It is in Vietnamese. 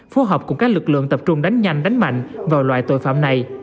phối hợp cùng các lực lượng tập trung đánh nhanh đánh mạnh vào loại tội phạm này